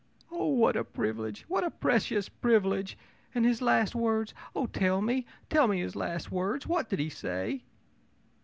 ō'Oh, what a privilege! what a precious privilege! And his last words oh, tell me, tell me his last words! What did he say?'